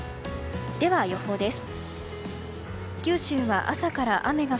では予報です。